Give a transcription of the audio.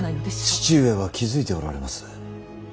父上は気付いておられます。